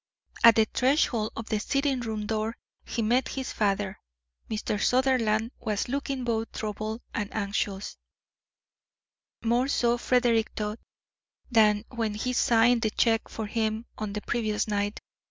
At the threshold of the sitting room door he met his father. Mr. Sutherland was looking both troubled and anxious; more so, Frederick thought, than when he signed the check for him on the previous night.